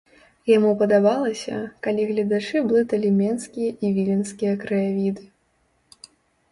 Яму падабалася, калі гледачы блыталі менскія і віленскія краявіды.